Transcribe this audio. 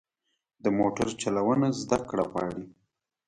د موټر چلوونه زده کړه غواړي.